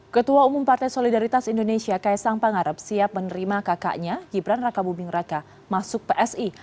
ketua umum partai solidaritas indonesia kaisang pangarep siap menerima kakaknya gibran raka buming raka masuk psi